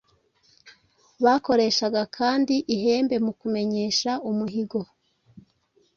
Bakoreshaga kandi ihembe mu kumenyesha umuhigo,